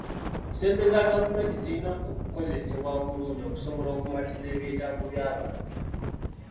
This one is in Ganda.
Ssente za gavumenti zirina okukozesebwa obulungi okusobola okumatiza ebyetaago by'abantu